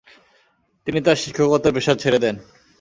তিনি তার শিক্ষকতার পেশা ছেড়ে দেন।